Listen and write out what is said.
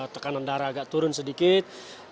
tekanan darah agak turun sedikit